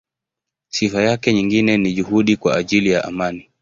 Sifa yake nyingine ni juhudi kwa ajili ya amani.